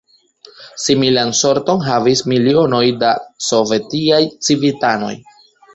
Similan sorton havis milionoj da sovetiaj civitanoj.